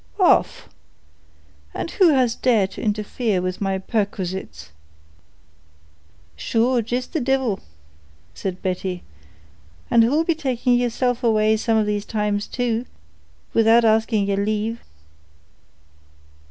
"Off! And who has dared to interfere with my perquisites?" "Sure, jist the divil," said Betty; "and who'll be taking yeerself away some of these times too, without asking yeer lave."